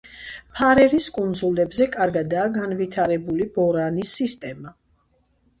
ფარერის კუნძულებზე კარგადაა განვითარებული ბორანის სისტემა.